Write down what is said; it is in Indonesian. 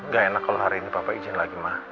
gak enak kalau hari ini papa izin lagi mah